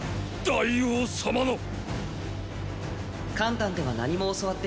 大王様のっ！